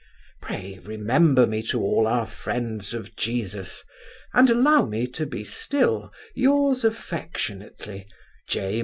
Pray, remember me to all our friends of Jesus, and allow me to be still Yours affectionately, J.